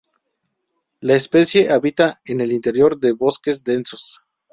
La especie habita en el interior de bosques densos.